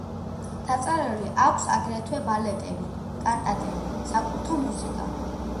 დაწერილი აქვს აგრეთვე ბალეტები, კანტატები, საკულტო მუსიკა.